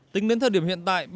tính đến thời điểm hiện tại